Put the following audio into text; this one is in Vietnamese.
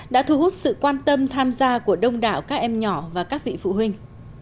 đã thu hút sự quan tâm tham gia của đông đảo các em nhỏ và các vị phụ huynh